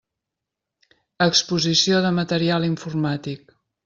Exposició de material informàtic.